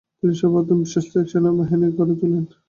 তিনি সর্বপ্রথম বিশ্বস্ত এক সেনাবাহিনী গড়ে তোলেন।